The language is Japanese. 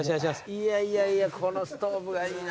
いやいやいやこのストーブがいいな。